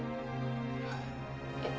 えっ？